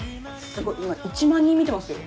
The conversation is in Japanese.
すごい今１万人見てますよ。